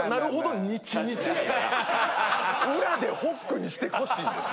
裏でホックにしてほしいんです。